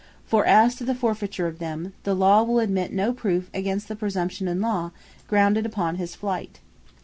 For as to the Forfeiture of them, the Law will admit no proofe against the Presumption in Law, grounded upon his flight."